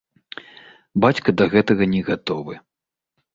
Бацька да гэтага не гатовы.